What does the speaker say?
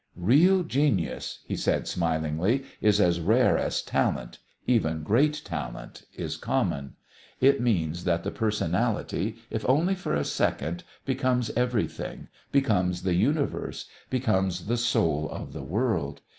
"Real genius," he said smilingly, "is as rare as talent, even great talent, is common. It means that the personality, if only for one second, becomes everything; becomes the universe; becomes the soul of the world.